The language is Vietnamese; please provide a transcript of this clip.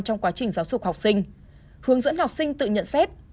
trong quá trình giáo dục học sinh hướng dẫn học sinh tự nhận xét